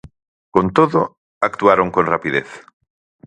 Con todo, actuaron con rapidez.